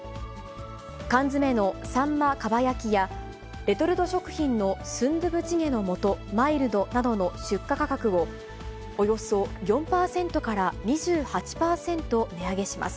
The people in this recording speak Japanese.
缶詰のさんま蒲焼や、レトルト食品のスンドゥブチゲの素マイルドなどの出荷価格を、およそ４％から２８％値上げします。